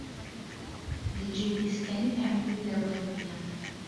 D lǧib-is kan i tḥemmel lawan-nni.